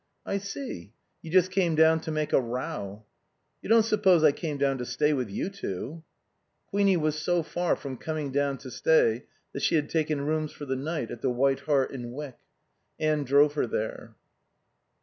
"I see. You just came down to make a row." "You don't suppose I came down to stay with you two?" Queenie was so far from coming down to stay that she had taken rooms for the night at the White Hart in Wyck. Anne drove her there.